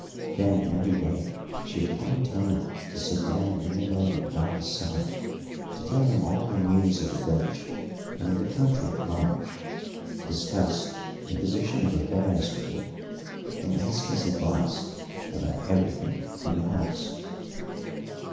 Then every day she would find time to sit down in the garden by his side to tell him all the news of the village and of the country at large, discuss the position of affairs with him, and ask his advice about everything in the house.